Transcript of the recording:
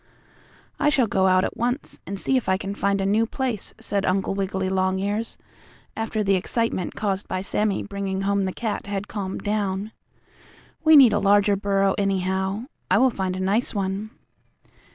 "I shall go out at once, and see if I can find a new place," said Uncle Wiggily Longears, after the excitement caused by Sammie bringing home the cat had calmed down. "We need a larger burrow, anyhow. I will find a nice one."